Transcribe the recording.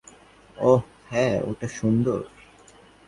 ওহ হ্যা, ওটা সুন্দর।